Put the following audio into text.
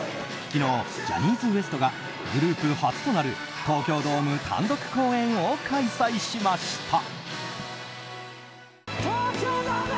昨日、ジャニーズＷＥＳＴがグループ初となる東京ドーム単独公演を開催しました。